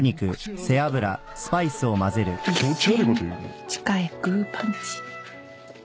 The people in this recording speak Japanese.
気持ち悪いこと言う。